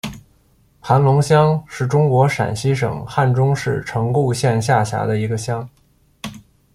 盘龙乡是中国陕西省汉中市城固县下辖的一个乡。